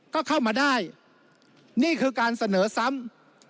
ก็เข้ามาได้นี่คือการเสนอซ้ำ